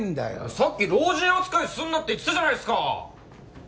さっき老人扱いすんなって言ってたじゃないすか！